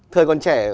thời còn trẻ